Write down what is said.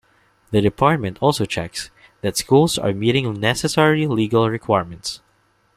The department also checks that schools are meeting necessary legal requirements.